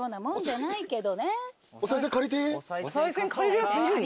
お賽銭借りるやついるの？